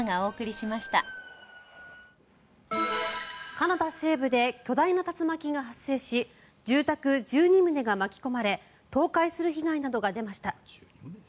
カナダ西部で巨大な竜巻が発生し住宅１２棟が巻き込まれ倒壊する被害などが出ました。